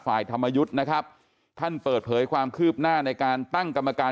ธรรมยุทธ์นะครับท่านเปิดเผยความคืบหน้าในการตั้งกรรมการ